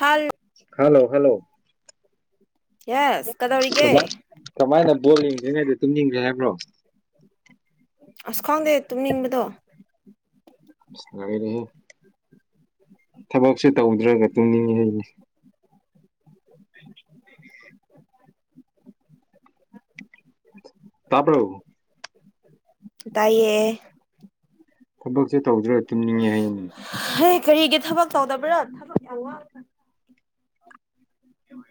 ꯍꯜ hello hello yes ꯀꯗꯧꯔꯤꯒꯦ ꯀꯃꯥꯏ ꯀꯃꯥꯏꯅ ꯕꯣꯜ ꯌꯦꯡꯗ꯭ꯔꯤꯉꯩꯗ ꯇꯨꯝꯅꯤꯡꯒ꯭ꯔꯦ ꯍꯥꯏꯕ꯭ꯔꯣ ꯑꯁ ꯈꯪꯗꯦ ꯇꯨꯝꯅꯤꯡꯕꯗꯣ ꯑꯁ ꯂꯣꯏꯔꯦꯍꯦ ꯊꯕꯛꯁꯨ ꯇꯧꯗ꯭ꯔꯒ ꯇꯨꯝꯅꯤꯡꯉꯤ ꯍꯥꯏꯔꯤꯅꯦ [unintelligible] ꯇꯥꯕ꯭ꯔꯣ ꯇꯥꯏꯌꯦ ꯊꯕꯛꯁꯦ ꯇꯧꯗ꯭ꯔꯥꯒ ꯇꯨꯝꯅꯤꯡꯉꯦ ꯍꯥꯏꯌꯦꯅꯦ ꯍꯩ ꯀꯔꯤꯒꯤ ꯊꯕꯛ ꯇꯧꯗꯕ꯭ꯔꯥ ꯊꯕꯛ ꯌꯥꯝ ꯋꯥꯠꯂꯤ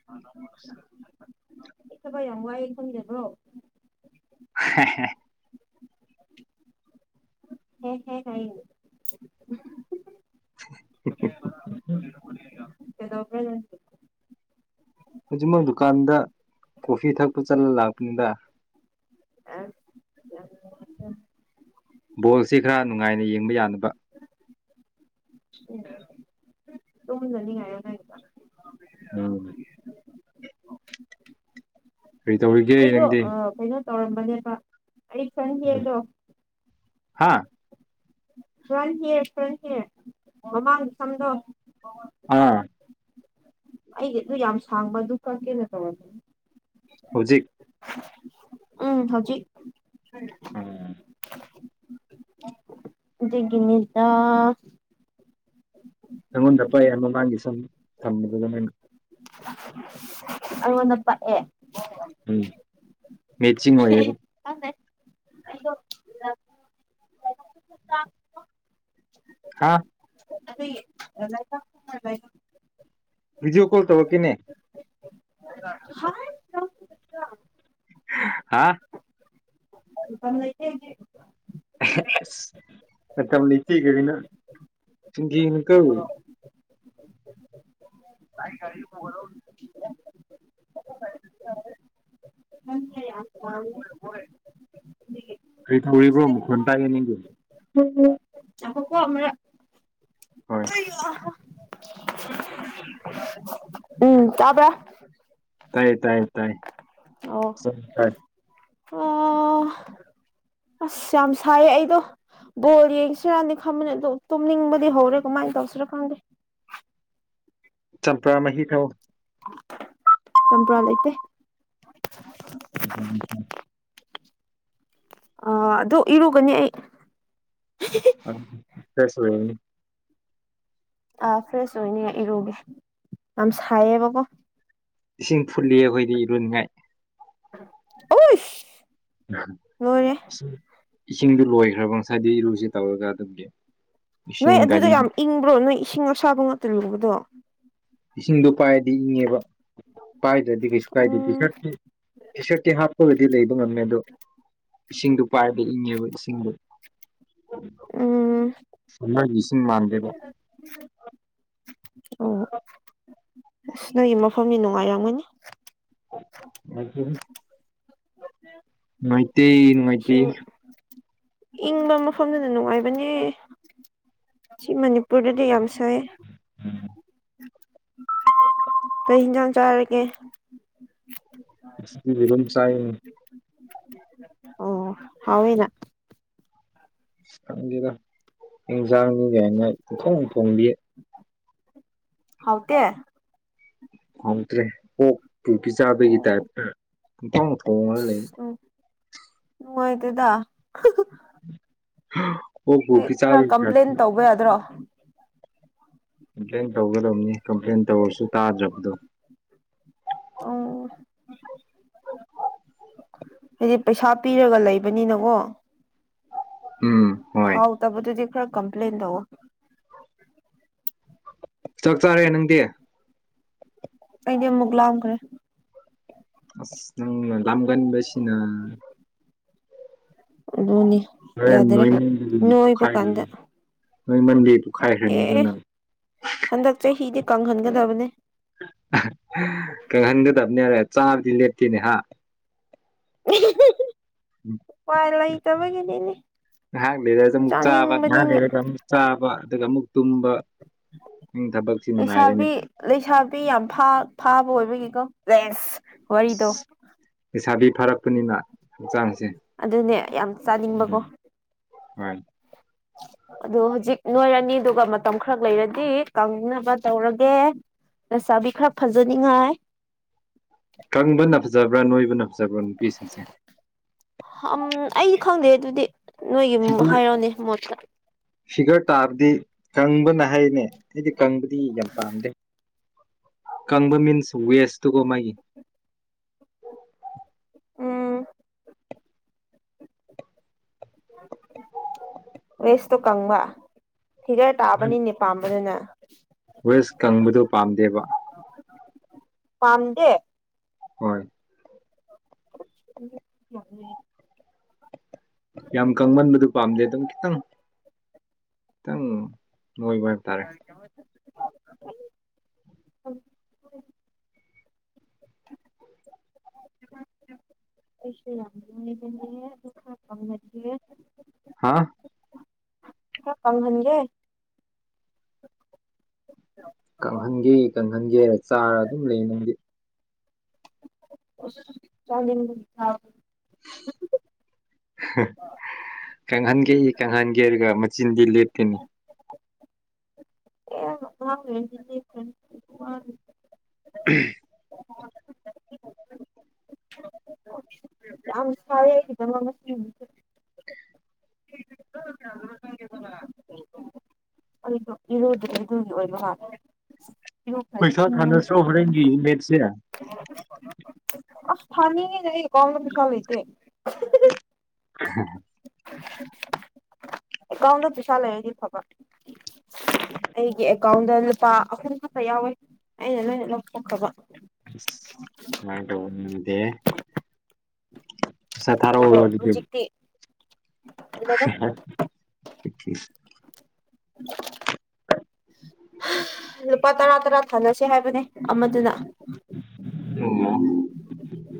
[unintelligible] ꯑꯩ ꯊꯕꯛ‌ ꯌꯥꯝ ꯋꯥꯏ [unintelligible] [unintelligible] ꯍꯦ ꯍꯦ ꯍꯥꯏꯌꯦ [unintelligible] ꯀꯩꯗꯧꯕ꯭ꯔꯥ‌ ꯅꯪꯗꯤ ꯍꯧꯖꯤꯛꯃꯛ ꯗꯨꯀꯥꯟꯗ ꯀꯣꯐꯤ ꯊꯛꯄ ꯆꯠꯂ ꯂꯥꯛꯄꯅꯤꯗ ꯑꯦ ꯌꯥꯝ ꯅꯨꯡꯉꯥꯏꯖꯥꯠꯅꯤ ꯕꯣꯜꯁꯦ ꯈꯔ ꯅꯨꯡꯉꯥꯏꯅ ꯌꯦꯡꯕ ꯌꯥꯅꯕ [unintelligible] ꯇꯨꯝꯗꯅꯤꯡꯉꯥꯏꯔꯣ ꯅꯪꯒꯤꯗꯣ ꯎꯝ ꯀꯔꯤ ꯇꯧꯔꯤꯒꯦ ꯑꯩꯗꯣ ꯅꯪꯗꯤ ꯑꯥ ꯀꯩꯅꯣ ꯇꯧꯔꯝꯕꯅꯦꯕ ꯑꯩ ꯐ꯭ꯔꯟ ꯍꯦꯌꯔꯗꯣ ꯍꯥꯥ ꯐ꯭ꯔꯟ ꯍꯤꯌꯔ ꯐ꯭ꯔꯟ ꯍꯤꯌꯔ ꯃꯃꯥꯡꯒꯤ ꯁꯝꯗꯣ ꯑꯥ ꯑꯩꯒꯤ ꯑꯗꯨ ꯌꯥꯝ ꯁꯥꯡꯕ ꯑꯗꯨ ꯀꯛꯀꯦꯅ ꯇꯧꯔꯝꯕꯅꯦ ꯍꯧꯖꯤꯛ ꯎꯝ ꯍꯧꯖꯤꯛ ꯎꯝ ꯑꯗꯨꯒꯤꯅꯤꯗ ꯅꯪꯉꯣꯟꯗ ꯄꯛꯑꯦ ꯃꯃꯥꯡꯒꯤ ꯁꯝ ꯊꯝꯕꯗꯨꯗ ꯅꯪꯒꯤ [unintelligible] ꯑꯩꯉꯣꯟꯗ ꯄꯛꯑꯦ ꯎꯝ ꯃꯦꯠꯆꯤꯡ ꯑꯣꯏꯌꯦꯕꯨ ꯈꯪꯗꯦ ꯑꯩꯗꯣ ꯍꯥꯥ ꯑꯗꯨꯒꯤ [unintelligible] ꯑꯣꯏꯕꯩꯗꯣ ꯚꯤꯗꯤꯑꯣ ꯀꯣꯜ ꯇꯧꯔꯛꯀꯦꯅꯦ [unintelligible] ꯍꯥꯏ ꯍꯥ ꯃꯇꯝ ꯂꯩꯇꯦ ꯍꯧꯖꯤꯛ ꯑꯩꯁ ꯃꯇꯝ ꯂꯩꯇꯦꯒꯥꯏꯅ ꯆꯤꯟ ꯊꯤꯒꯅꯨꯀꯣ [unintelligible] [unintelligible] ꯀꯔꯤ ꯊꯧꯔꯤꯕ꯭ꯔꯣ ꯃꯈꯣꯟ ꯇꯥꯏꯌꯦ ꯅꯤꯡꯗꯦ ꯉꯥꯏꯈꯣꯀꯣ ꯑꯃꯔꯛ ꯍꯣꯏ ꯎꯝ ꯇꯥꯕ꯭ꯔꯥ ꯇꯥꯏ ꯇꯥꯏ ꯇꯥꯏ ꯇꯥꯏ ꯑꯣ ꯑꯁ ꯌꯥꯝ ꯁꯥꯏꯌꯦ ꯑꯩꯗꯣ ꯕꯣꯜ ꯌꯦꯡꯁꯤꯔꯗꯤ ꯈꯪꯕꯅꯤ ꯑꯗꯣ ꯇꯨꯝꯅꯤꯡꯕꯗꯤ ꯍꯧꯔꯦ ꯀꯃꯥꯏꯅ ꯇꯧꯁꯤꯔꯥ ꯈꯪꯗꯦ ꯆꯝꯄ꯭ꯔꯥ ꯃꯍꯤ ꯊꯛ ꯑꯣ ꯆꯝꯄꯔꯥ ꯂꯩꯥꯇꯦ [unintelligible] ꯑ ꯑꯗꯨ ꯏꯔꯨꯒꯅꯤ ꯑꯩ ꯑ [unintelligible] ꯑꯥ ꯐ꯭ꯔꯦꯁ ꯑꯣꯏꯅꯤꯡꯉꯥꯏ ꯏꯔꯨꯒꯦ ꯌꯥꯝ ꯁꯥꯏꯌꯦꯕꯀꯣ ꯏꯁꯤꯡ ꯐꯨꯠꯂꯤ ꯑꯩꯈꯣꯏꯗꯤ ꯏꯔꯨꯅꯤꯉꯥꯏ ꯑꯣꯁ ꯎ ꯏꯁꯤꯡꯗꯨ ꯂꯣꯏꯈ꯭ꯔꯕ ꯉꯁꯥꯏꯗꯤ ꯏꯔꯨꯁꯤ ꯇꯧꯔꯒ ꯑꯗꯨꯝꯒꯤ ꯅꯣꯏ ꯑꯗꯨꯗ ꯌꯥꯝ ꯏꯪꯕ꯭ꯔꯣ ꯅꯣꯏ ꯏꯁꯤꯡ ꯑꯁꯥꯕ ꯉꯥꯛꯇ ꯂꯨꯕꯗꯣ ꯏꯁꯤꯡꯗꯣ ꯄꯥꯏꯔꯗꯤ ꯏꯪꯉꯦꯕ ꯄꯥꯏꯗ꯭ꯔꯗꯤ ꯀꯩꯁꯨ ꯀꯥꯏꯗꯦ ꯇꯤ ꯎꯝ ꯁꯔꯠꯇꯤ ꯇꯤ ꯁꯔꯠꯇꯤ ꯍꯥꯞ ꯑꯩꯈꯣꯏꯗꯗꯤ ꯂꯩꯕ ꯉꯝꯃꯦ ꯑꯗꯣ ꯏꯁꯤꯡꯗꯣ ꯄꯥꯏꯕ ꯏꯪꯉꯦꯕ ꯏꯁꯤꯡꯗꯣ ꯎꯝ ꯍꯉꯥꯡ ꯂꯤꯁꯤꯡ ꯃꯥꯟꯗꯦꯕ ꯑꯣ ꯅꯣꯏꯒꯤ ꯃꯐꯝꯅꯤ ꯅꯨꯡꯉꯥꯏꯔꯝꯒꯅꯤ [unintelligible] ꯅꯣꯏꯇꯩ ꯏꯁꯤꯡ ꯏꯪꯕ ꯃꯐꯝꯗꯨꯅ ꯅꯨꯡꯉꯥꯏꯕꯅꯦ ꯁꯤ ꯃꯅꯤꯄꯨꯔꯗꯗꯤ ꯌꯥꯝ ꯁꯥꯏ ꯎꯝ ꯀꯩ ꯍꯤꯟꯖꯥꯡ ꯆꯥꯔꯒꯦ ꯉꯁꯤꯗꯤ ꯌꯦꯔꯨꯝ ꯆꯥꯏꯌꯦ ꯑꯣ ꯍꯥꯎꯋꯦꯅꯥ ꯈꯪꯗꯦꯗꯥ ꯏꯟꯖꯡꯅꯤꯒꯥꯏꯅ ꯄꯨꯊꯣꯡ ꯊꯣꯡꯕꯤꯌꯦ ꯍꯥꯎꯇꯦ ꯍꯥꯎꯇꯔꯦ ꯑꯣꯛꯄꯨ ꯄꯤꯆꯥꯕꯒꯤ ꯇꯥꯏꯞꯇꯥ ꯄꯨꯊꯣꯡ ꯊꯣꯉꯥ ꯂꯩꯔ ꯅꯨꯡꯉꯥꯏꯇꯦꯗꯥ ꯍꯥꯥ ꯑꯣꯛꯄꯨ ꯄꯤꯆꯥꯕꯒꯤ ꯇꯏꯞꯇꯥ ꯕꯌꯥꯗꯔꯣ ꯀꯝꯄ꯭ꯂꯦꯟ ꯇꯧꯒꯗꯕꯅꯤ ꯀꯝꯄ꯭ꯂꯦꯟ ꯇꯧꯔꯁꯨ ꯇꯥꯗ꯭ꯔꯕꯗꯣ ꯑꯣ ꯍꯥꯏꯗꯤ ꯄꯩꯁꯥ ꯄꯤꯔꯒ ꯂꯩꯕꯅꯤꯅꯀꯣ ꯎꯝ ꯍꯣꯏ ꯍꯥꯎꯇꯕꯗꯨꯗꯤ ꯈꯔ ꯀꯝꯄ꯭ꯂꯦꯟ ꯇꯧꯑꯣ ꯆꯥꯛ ꯆꯥꯔꯦ ꯅꯪꯗꯤ ꯑꯩꯗꯤ ꯑꯃꯨꯛ ꯂꯥꯝꯈ꯭ꯔꯦ ꯑꯁ ꯅꯪꯅꯥ ꯂꯝꯒꯟꯕꯁꯤꯅ ꯑꯗꯨꯅꯤ ꯅꯣꯏ ꯌꯥꯗꯔꯦ ꯅꯣꯏꯃꯟꯕꯒꯤ ꯅꯣꯏꯕ ꯄꯨꯈꯏꯒꯔꯅꯤ ꯀꯥꯟꯗ ꯅꯣꯏꯃꯟꯕꯩ ꯄꯣꯛꯈꯥꯏꯈ꯭ꯔꯅꯤꯀꯣ ꯑꯦ ꯅꯪ ꯍꯟꯗꯛ ꯆꯍꯤꯗꯤ ꯀꯪꯍꯟꯒꯗꯕꯅꯦ ꯀꯪꯍꯟꯒꯗꯝꯅꯦ ꯍꯥꯏꯔꯥ ꯆꯥꯕꯗꯤ ꯂꯦꯞꯇꯦꯅꯦ ꯍꯥ [unintelligible] ꯎꯄꯥꯏ ꯂꯩꯇꯕꯒꯤꯅꯤꯅꯦ ꯉꯥꯏꯍꯥꯛ ꯂꯩꯔꯒ ꯑꯃꯨꯛ ꯆꯥꯕ ꯉꯥꯏꯍꯥꯛ ꯆꯥꯅꯤꯡꯕꯅꯤꯅ ꯂꯩꯔꯒ ꯑꯃꯨꯛ ꯆꯥꯕ ꯑꯗꯨꯒ ꯑꯃꯨꯛ ꯇꯨꯝꯕ ꯅꯪ ꯊꯕꯛ ꯂꯩꯁꯥꯕꯤ ꯂꯩꯁꯥꯕꯤ ꯌꯥꯝ ꯐꯥ ꯐꯥꯕ ꯑꯣꯏꯕꯒꯤꯀꯣ ꯖꯦꯁ ꯂꯩꯁꯥꯕꯤ ꯐꯥꯔꯛꯄꯅꯤꯅ ꯍꯛꯆꯥꯡꯁꯦ ꯑꯗꯨꯅꯦ ꯌꯥꯝ ꯆꯥꯅꯤꯡꯕꯀꯣ ꯎꯝ [unintelligible] ꯑꯗꯣ ꯍꯨꯖꯤꯛ ꯅꯣꯏꯔꯅꯤ ꯑꯗꯨꯒ ꯃꯇꯝ ꯈꯔ ꯂꯩꯔꯗꯤ ꯀꯪꯅꯕ ꯇꯧꯔꯒꯦ ꯂꯩꯁꯥꯕꯤ ꯈꯔ ꯐꯖꯅꯤꯉꯥꯏ ꯀꯪꯕꯅ ꯐꯖꯕ꯭ꯔꯥ ꯅꯣꯏꯕꯅ ꯐꯖꯕ꯭ꯔꯥ ꯅꯨꯄꯤꯁꯤꯡꯁꯦ ꯑꯝ ꯑꯩꯗꯤ ꯈꯪꯗꯦ ꯑꯗꯨꯗꯤ ꯅꯣꯏꯒꯤ ꯐꯤꯒꯔ ꯍꯥꯏꯔꯛꯑꯣꯅꯦ ꯃꯣꯠꯇ ꯐꯤꯒꯔ ꯇꯥꯕꯗꯤ ꯀꯪꯕꯅ ꯍꯥꯏꯌꯦꯅꯦ ꯑꯩꯗꯤ ꯀꯪꯕꯗꯤ ꯌꯥꯝ ꯄꯥꯝꯗꯦ ꯀꯪꯕ ꯃꯤꯟꯁ ꯋꯦꯁ ꯇꯣꯀꯣ ꯃꯥꯒꯤ ꯎꯝ ꯋꯦꯁꯇꯣ ꯀꯪꯕ ꯐꯤꯒꯔ ꯇꯥꯕꯅꯤꯅꯦ ꯄꯥꯝꯕꯥꯗꯣ ꯅꯪ ꯋꯦꯁ ꯀꯪꯕꯗꯣ ꯄꯥꯝꯗꯦꯕ ꯄꯝꯗꯦ ꯍꯣꯏ [inaudible] ꯌꯥꯝ ꯀꯪꯃꯟꯕꯗꯨ ꯄꯥꯝꯗꯦ ꯑꯗꯨꯝ ꯈꯤꯇꯪ ꯈꯤꯇꯪ ꯅꯣꯏꯕ ꯍꯥꯏꯕ ꯇꯥꯔꯦ [unintelligible] ꯑꯩꯁꯨ ꯌꯥꯝ ꯅꯣꯏꯕꯅꯦ ꯑꯗꯨ ꯈꯔꯥ ꯀꯪꯍꯟꯒꯦ ꯍꯥ ꯈꯔꯥ ꯀꯪꯍꯟꯒꯦ ꯀꯪꯍꯟꯒꯦ ꯀꯪꯍꯟꯒꯦ ꯍꯥꯏꯔ ꯆꯥꯔ ꯑꯗꯨꯝ ꯂꯩ ꯅꯪꯗꯤ ꯑꯁ ꯆꯥꯅꯤꯡꯕꯒꯤ ꯆꯕꯅꯦ [inaudible] ꯀꯪꯍꯟꯒꯦ ꯀꯪꯍꯟꯒꯦ ꯍꯥꯏꯔꯒ ꯃꯆꯤꯟꯗꯤ ꯂꯦꯞꯇꯦꯅꯦ [unintelligible] [inaudible] ꯌꯥꯝ ꯁꯌꯦ ꯑꯩꯒꯤꯗꯃꯛꯇ [unintelligible] ꯏꯔꯨꯗꯕꯗꯨꯒꯤ ꯑꯣꯏꯕ ꯃꯜꯂꯦꯅꯦ ꯏꯔꯨ ꯄꯩꯁꯥ ꯊꯅꯁꯤꯔꯣ ꯍꯣꯔꯔꯦꯟꯒꯤ ꯃꯦꯠꯁꯁꯦ ꯑꯁ ꯊꯥꯅꯤꯡꯉꯤꯅꯦ ꯑꯩꯒꯤ ꯑꯦꯀꯥꯎꯟꯗ ꯄꯩꯁꯥ ꯂꯩꯇꯦ [inaudible] [inaudible] [inaudible] ꯑꯦꯀꯥꯎꯟꯗ ꯄꯩꯁꯥ ꯂꯩꯔꯗꯤ ꯐꯕ ꯑꯩꯒꯤ ꯑꯦꯀꯥꯎꯟꯗ ꯂꯨꯄꯥ ꯑꯍꯨꯝ ꯈꯠꯇ ꯌꯥꯎꯋꯦ ꯑꯩꯅ ꯂꯣꯏꯅ ꯂꯧꯊꯣꯛꯈ꯭ꯔꯕ ꯃꯥꯏ ꯗꯧꯅꯤꯡꯗꯦ ꯄꯤꯁꯥ ꯊꯥꯔꯎꯔꯣꯠ ꯍꯨꯖꯤꯛꯇꯤ [unintelligible] ꯂꯨꯄꯥ ꯇꯔꯥ ꯇꯔꯥ ꯊꯥꯅꯁꯦ ꯍꯥꯏꯕꯅꯦ ꯑꯃꯗꯨꯅ ꯑꯣ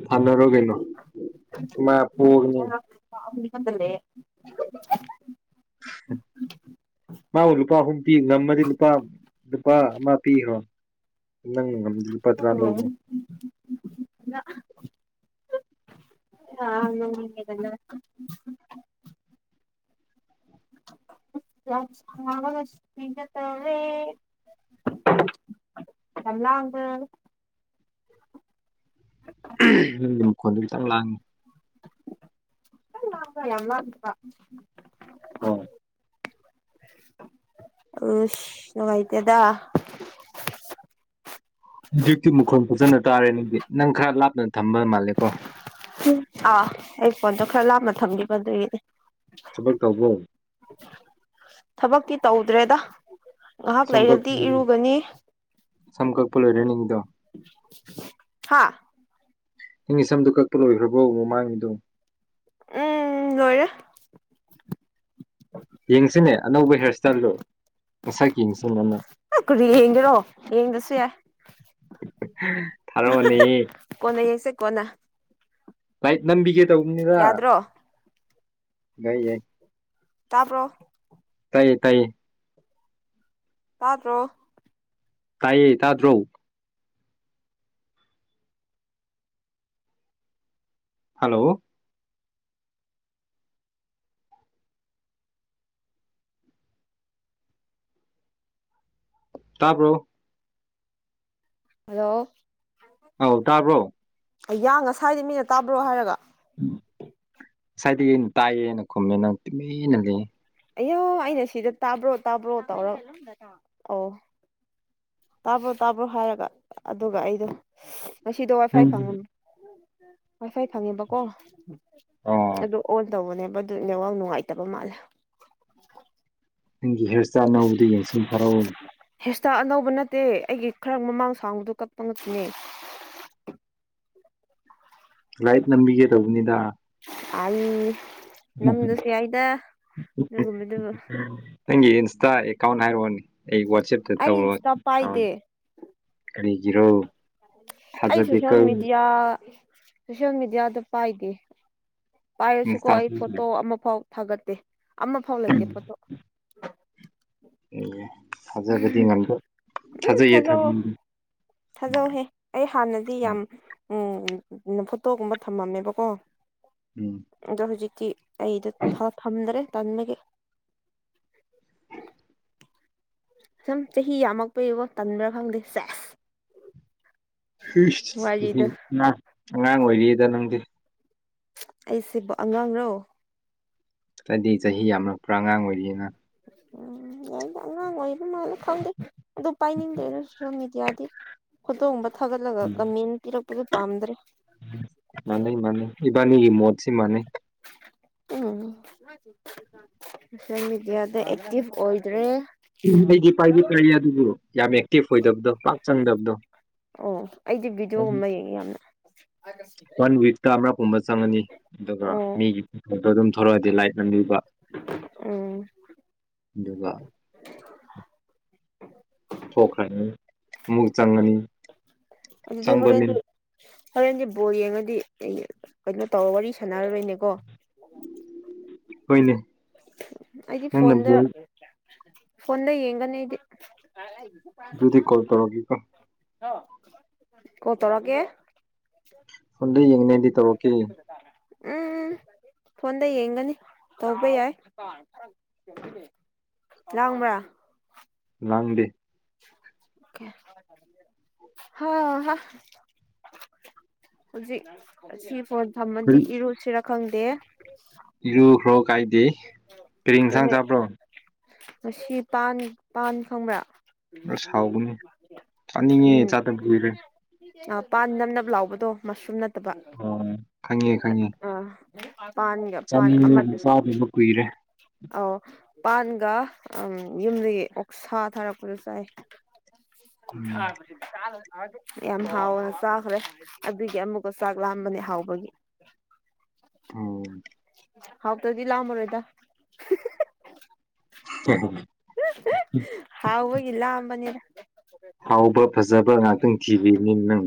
ꯊꯥꯅꯔꯣ ꯀꯩꯅꯣ ꯏꯃꯥꯠ [unintelligible] [unintelligible] ꯃꯥꯕꯨ ꯂꯨꯄꯥ ꯑꯍꯨꯝ ꯄꯤ ꯉꯝꯃꯗꯤ ꯂꯨꯄꯥ ꯂꯨꯄꯥ ꯑꯃ ꯄꯤꯔꯣ ꯅꯪꯅ ꯉꯝꯗꯤ ꯂꯨꯄꯥ ꯇ꯭ꯔꯥ ꯂꯧꯔꯣ ꯑꯪ ꯅꯣꯛꯅꯤꯡꯉꯦꯗꯅ ꯌꯥꯝ ꯁꯥꯕꯅ ꯁꯤꯒꯦ ꯇꯧꯔꯦ ꯌꯥꯝ ꯂꯥꯡꯕ꯭ꯔꯣ [unintelligible] ꯅꯪꯒꯤ ꯃꯈꯣꯟꯗꯨ ꯈꯤꯇꯪ ꯂꯥꯡꯉꯤ ꯇꯪ ꯂꯥꯡꯕ ꯭ꯔꯥ ꯌꯥꯝ ꯂꯥꯡꯗꯕ꯭ꯔꯥ ꯍꯣꯏ ꯎꯁ ꯅꯨꯉꯥꯏꯇꯦꯗ ꯗꯤꯛꯇꯤ ꯃꯈꯣꯟ ꯐꯖꯅ ꯇꯥꯔꯦ ꯅꯪꯗꯤ ꯅꯪ ꯈꯔ ꯂꯥꯞꯅ ꯊꯝꯕ ꯃꯥꯜꯂꯦꯀꯣ ꯑꯥ ꯑꯩ ꯐꯣꯟꯗꯣ ꯈꯔ ꯂꯥꯞꯅ ꯊꯝꯒꯤꯕ ꯑꯗꯨꯒꯤꯅꯤ ꯊꯕꯛ ꯇꯧꯕ꯭ꯔꯣ ꯊꯕꯛꯇꯤ ꯇꯧꯗ꯭ꯔꯦꯗ ꯉꯥꯏꯍꯥꯛ ꯁꯝ ꯂꯩꯔꯗꯤ ꯀꯛꯄꯤꯌꯣꯅꯦ ꯏꯔꯨꯒꯅꯤ ꯁꯝ ꯀꯛꯄ ꯂꯣꯏꯔꯦ ꯅꯤꯗꯣ ꯍꯥꯥ ꯏꯪꯒꯤ ꯁꯝꯗꯣ ꯀꯛꯄ ꯂꯣꯏꯈ꯭ꯔꯕꯣ ꯃꯃꯥꯡꯉꯤꯗꯣ ꯎꯝ ꯂꯣꯏꯔꯦ ꯌꯦꯡꯁꯤꯅꯦ ꯑꯅꯧꯕ ꯍꯤꯌꯥꯔ ꯏꯁꯇꯥꯏꯜꯗꯣ ꯃꯁꯛ ꯌꯦꯡꯁꯤꯅꯦ ꯑꯃꯔꯛ ꯀꯔꯤ ꯌꯦꯡꯒꯦꯔꯣ ꯌꯦꯡꯗꯁꯨ ꯌꯥꯏ ꯊꯥꯔꯣꯑꯣꯅꯦ ꯀꯣꯟꯅ ꯌꯦꯡꯁꯦ ꯀꯣꯟꯅ ꯂꯥꯏꯠ ꯅꯝꯕꯤꯒꯦ ꯇꯧꯕꯅꯤꯗ ꯌꯥꯗ꯭ꯔꯣ ꯉꯥꯏ ꯌꯥꯏ ꯇꯥꯕ꯭ꯔꯣ ꯇꯥꯏꯌꯦ ꯇꯥꯏꯌꯦ ꯇꯥꯗ꯭ꯔꯣ ꯇꯥꯏꯌꯦ ꯇꯥꯗ꯭ꯔꯣ ꯍꯜꯂꯣ ꯇꯥꯕ꯭ꯔꯣ ꯍꯜꯂꯣ ꯑꯧ ꯇꯥꯕ꯭ꯔꯣ ꯑꯌꯥ ꯉꯁꯥꯏꯗꯩ ꯃꯤꯅ ꯇꯥꯕ꯭ꯔꯣ ꯍꯥꯏꯔꯒ ꯁꯥꯏꯗꯒꯤ ꯑꯩꯅ ꯇꯥꯏꯌꯦꯅ ꯈꯨꯝꯃꯦ ꯅꯪ ꯇꯨꯃꯦꯟꯅ ꯂꯩꯌꯦ ꯑꯌꯥ ꯑꯩꯅ ꯁꯤꯗ ꯇꯥꯕ꯭ꯔꯣ ꯇꯥꯕ꯭ꯔꯣ ꯇꯧꯔ [unintelligible] ꯑꯣ ꯇꯥꯕ꯭ꯔꯣ ꯇꯥꯕ꯭ꯔꯣ ꯍꯥꯏꯔꯒ ꯑꯗꯨꯒ ꯑꯩꯗꯣ ꯉꯁꯤꯗꯣ ꯋꯥꯏ ꯐꯥꯏ ꯐꯪꯉꯝ ꯋꯥꯏꯐꯥꯏ ꯐꯪꯉꯦꯕꯀꯣ ꯑꯣ ꯑꯗꯨ ꯑꯣꯟ ꯇꯧꯕꯅꯦꯕ ꯗꯨꯏ ꯅꯦꯋꯥꯛ ꯅꯨꯉꯥꯏꯇꯕ ꯃꯥꯜꯂꯦ ꯅꯪꯒꯤ ꯍꯤꯌꯔ ꯁ꯭ꯇꯥꯏꯜ ꯑꯅꯧꯕꯗꯣ ꯌꯦꯡꯁꯤꯅꯦ ꯊꯔꯛꯎꯅꯦ ꯍꯦꯌꯔ ꯁ꯭ꯇꯥꯏꯜ ꯑꯅꯧꯕ ꯅꯠꯇꯦ ꯑꯩꯒꯤ ꯈꯔ ꯃꯃꯥꯡ ꯁꯥꯡꯕꯗꯣ ꯀꯛꯄ ꯈꯛꯇꯅꯦ ꯂꯥꯏꯠ ꯅꯝꯕꯤꯒꯦ ꯇꯧꯕꯅꯤꯗ ꯑꯩ ꯅꯝꯗ꯭ꯔꯁꯨ ꯌꯥꯏꯗ ꯑꯗꯨꯒꯨꯝꯕꯗꯨ ꯅꯪꯒꯤ ꯏꯟꯁ꯭ꯇꯥ ꯑꯦꯀꯥꯎꯟ ꯍꯥꯏꯔꯛꯑꯣꯅꯦ ꯑꯩ ꯋꯥꯆꯦꯞꯇ ꯑꯩ ꯏꯟꯁꯇꯥ ꯄꯥꯏꯗꯦ ꯇꯧꯔꯣꯏꯅꯤ ꯀꯔꯤꯒꯤꯔꯣ ꯑꯩ ꯁꯣꯁꯦꯜ ꯊꯥꯖꯗꯦꯀꯣ ꯃꯦꯗꯤꯌꯥ ꯁꯣꯁꯦꯜ ꯃꯦꯗꯤꯌꯥꯗ ꯄꯥꯏꯗꯦ ꯄꯥꯏꯔꯁꯨꯀꯣ ꯏꯟꯁꯇꯥ ꯑꯩ ꯐꯣꯇꯣ ꯑꯃꯐꯥꯎ ꯊꯥꯒꯠꯇꯦ ꯑꯃꯐꯥꯎ ꯂꯩꯇꯦ ꯐꯣꯇꯣ ꯑꯦ ꯊꯥꯖꯕꯗꯤ ꯎꯝ ꯉꯝꯗ ꯊꯥꯖꯩꯌꯦ ꯊꯖꯧꯑꯣ ꯊꯥꯖꯩꯌꯦ ꯊꯥꯖꯧꯍꯦ ꯑꯩ ꯍꯥꯟꯅꯗꯤ ꯌꯥꯝ ꯎꯝ ꯐꯣꯇꯣꯒꯨꯝꯕ ꯊꯝꯃꯝꯃꯦꯕꯀꯣ ꯎꯝ ꯑꯗꯣ ꯍꯧꯖꯤꯛꯇꯤ ꯑꯩꯗꯣ ꯊꯝꯗ꯭ꯔꯦ ꯇꯟꯕꯒꯤ [inaudible] ꯁꯨꯝ ꯆꯍꯤ ꯌꯥꯝꯃꯛꯄꯩꯕꯣ ꯇꯟꯕ꯭ꯔꯥ ꯈꯪꯗꯦ ꯁꯦꯁ ꯋꯥꯔꯤꯗꯣ ꯏꯁ ꯑꯉꯥꯡ ꯑꯣꯏꯔꯤꯌꯦꯗ ꯅꯪꯗꯤ ꯑꯩꯁꯤꯕꯨ ꯑꯉꯥꯡꯔꯣ ꯍꯥꯏꯗꯤ ꯆꯍꯤ ꯌꯥꯝꯂꯛꯄ꯭ꯔꯥ ꯑꯉꯥꯡ ꯑꯣꯏꯔꯤꯑꯦꯅ ꯑꯩꯅ ꯑꯉꯥꯡ ꯑꯣꯏꯕꯅꯔ ꯈꯪꯗꯦ ꯑꯗꯨ ꯄꯥꯏꯅꯤꯡꯗ꯭ꯔꯦꯗ ꯁꯣꯁꯤꯌꯦꯜ ꯃꯦꯗꯤꯌꯥꯗꯤ ꯐꯣꯇꯣꯒꯨꯝꯕ ꯊꯥꯒꯠꯂꯒ ꯀꯝꯃꯦꯟ ꯄꯤꯔꯛꯄꯗꯨ ꯄꯥꯝꯗ꯭ꯔꯦ ꯃꯥꯅꯩ ꯃꯥꯅꯩ ꯏꯕꯥꯅꯤꯒꯤ ꯃꯣꯠꯁꯤ ꯃꯥꯥꯅꯩ ꯎꯝ ꯁꯣꯁꯤꯌꯦꯜ ꯃꯦꯗꯤꯌꯥꯗ ꯑꯦꯛꯇꯤꯐ ꯑꯣꯏꯗ꯭ꯔꯦ ꯎ ꯑꯩꯗꯤ ꯄꯥꯏꯗꯤ ꯄꯥꯏꯌꯦ ꯑꯗꯨꯕꯨ ꯌꯥꯝ ꯑꯦꯛꯇꯤꯐ ꯑꯣꯏꯗꯕꯗꯣ ꯄꯥꯛ ꯆꯪꯗꯕꯗꯣ ꯑꯣ ꯑꯩꯗꯤ ꯚꯤꯗꯤꯑꯣꯒꯨꯝꯕ ꯌꯦꯡꯉꯦ ꯌꯥꯝꯅ [inaudible] ꯋꯥꯟ ꯋꯤꯛꯛꯇ ꯑꯃꯒꯨꯝꯕ ꯆꯪꯉꯅꯤ ꯑꯗꯨꯒ ꯑꯣ ꯃꯤꯒꯤ ꯐꯣꯇꯣ ꯑꯗꯨꯝ ꯊꯣꯂꯛꯑꯗꯤ ꯂꯥꯏꯛ ꯅꯝꯕꯤꯕ ꯎꯝ ꯑꯗꯨꯒ [inaudible] ꯊꯣꯛꯈ꯭ꯔꯅꯤ ꯑꯃꯨꯛ ꯆꯪꯉꯅꯤ ꯑꯗꯨꯗꯤ ꯆꯪꯕ ꯃꯤꯟ ꯍꯣꯔꯦꯟꯗꯤ ꯍꯣꯔꯦꯟꯗꯤ ꯕꯣꯜ ꯌꯦꯡꯉꯗꯤ ꯀꯩꯅꯣ ꯇꯧꯔ ꯋꯥꯔꯤ ꯁꯥꯟꯅꯔꯔꯣꯏꯅꯦꯀꯣ ꯍꯣꯏꯅꯦ ꯑꯩꯗꯤ ꯅꯪꯅ ꯐꯣꯟꯗ ꯕꯣꯜ ꯐꯣꯟꯗ ꯌꯦꯡꯒꯅꯤ ꯑꯩꯗꯤ ꯑꯗꯨꯗꯤ ꯀꯣꯜ ꯇꯔꯛꯒꯦꯀꯣ ꯍꯦꯜꯂꯣ ꯀꯣꯜ ꯇꯧꯔꯛꯀꯦ ꯐꯣꯟꯗ ꯌꯦꯡꯅꯤ ꯑꯩꯗꯤ [inaudible] ꯎꯝ ꯎꯝ ꯐꯣꯟꯗ ꯌꯦꯡꯒꯅꯤ ꯇꯧꯕ ꯌꯥꯏ ꯂꯥꯡꯕ꯭ꯔ ꯂꯥꯡꯗꯦ ꯍꯥ ꯍꯥ ꯍꯧꯖꯤꯛ ꯁꯤ ꯐꯣꯟ ꯊꯝꯃꯗꯤ ꯏꯔꯨꯁꯤꯔꯥ ꯈꯪꯗꯦ ꯏꯔꯨꯈ꯭ꯔꯣ ꯀꯥꯏꯗꯦ ꯀꯔꯤ ꯏꯟꯁꯥꯡ ꯑꯗꯨꯅꯦ ꯆꯥꯕ꯭ꯔꯣ ꯉꯁꯤ ꯄꯥꯟ ꯄꯥꯟ ꯈꯪꯕ꯭ꯔꯥ ꯑꯁ ꯍꯥꯎꯒꯅꯤ ꯆꯥꯅꯤꯡꯉꯦ ꯆꯥꯗꯕ ꯀꯨꯏꯔꯦ ꯑꯥ ꯄꯥꯟ ꯅꯞ ꯅꯞ ꯂꯥꯎꯕꯗꯣ ꯃꯁꯔꯨꯝ ꯅꯠꯇꯕ ꯑꯣ ꯈꯪꯉꯦ ꯈꯪꯉꯦ ꯑꯥ ꯄꯥꯟꯒ ꯄꯥꯟ ꯆꯥꯅꯤꯡꯉꯦ ꯑꯃꯗꯨ ꯑꯗꯨꯗꯤ ꯆꯥꯗꯕ ꯀꯨꯏꯔꯦ ꯑꯧ ꯄꯥꯟꯒ ꯎꯝ ꯌꯨꯝꯗꯒꯤ ꯑꯣꯛꯁꯥ ꯊꯥꯔꯛꯄꯗꯣ ꯆꯥꯏ ꯎꯝ [unintelligible] ꯌꯥꯝ ꯍꯥꯎꯒꯅ ꯆꯥꯈ꯭ꯔꯦ ꯑꯗꯨꯒꯤ ꯑꯃꯨꯛꯀ ꯆꯥꯛ ꯂꯥꯝꯕꯅꯦ ꯍꯥꯎꯕꯒꯤ ꯎꯝ ꯍꯥꯎꯇꯗꯤ ꯂꯥꯝꯃꯔꯣꯏꯗ [unintelligible] [unintelligible] ꯍꯥꯎꯕꯒꯤ ꯂꯥꯝꯕꯅꯤꯗ ꯍꯥꯎꯕ ꯐꯖꯕ ꯉꯥꯛꯇꯪ [unintelligible] ꯅꯪ